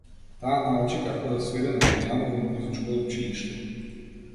Таа научи како да свири на пијано во музичко училиште.